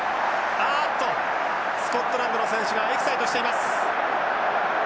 あっとスコットランドの選手がエキサイトしています。